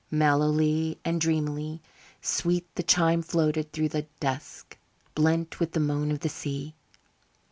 Mellowly and dreamily sweet the chime floated through the dusk, blent with the moan of the sea.